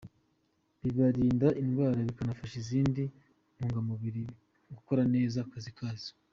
Bibarinda indwara, bikanafasha izindi ntungamubiri gukora neza akazi kazo.